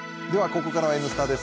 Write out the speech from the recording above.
ここからは「Ｎスタ」です。